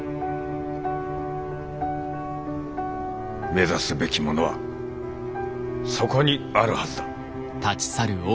目指すべきものはそこにあるはずだ。